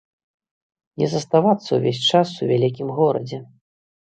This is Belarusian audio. Не заставацца ўвесь час у вялікім горадзе.